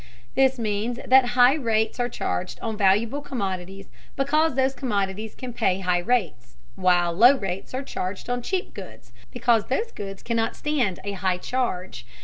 This means that high rates are charged on valuable commodities because those commodities can pay high rates, while low rates are charged on cheap goods, because those goods cannot stand a high charge.